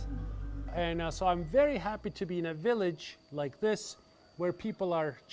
jadi saya sangat senang berada di sebuah kota seperti ini di mana orang orang berubah